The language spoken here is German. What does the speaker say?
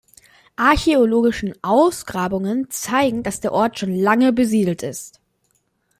Archäologische Ausgrabungen zeigen, dass der Ort schon lange besiedelt ist.